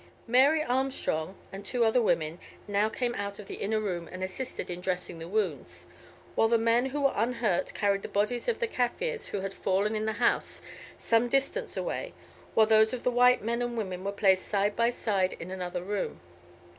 Mary Armstrong and two other women now came out from the inner room and assisted in dressing the wounds, while the men who were unhurt carried the bodies of the Kaffirs who had fallen in the house some distance away, while those of the white men and women were placed side by side in another room.